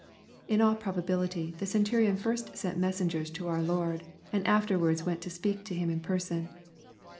In all probability the Centurion first sent messengers to our Lord, and afterwards went to speak to Him in person.